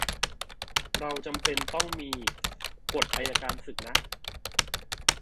เราจำเป็นต้องมีกฎอัยการศึกนะ